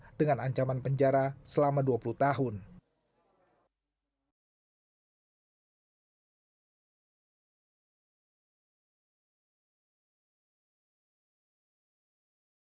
sebelumnya baik anissa andika dan kiki dijerat dengan pasal tiga ratus tujuh puluh delapan kuhp dengan ancaman penjara selama dua puluh tahun penjara